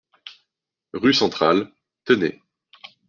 Rue Centrale, Tenay